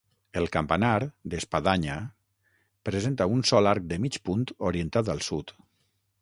El campanar, d'espadanya, presenta un sol arc de mig punt orientat al sud.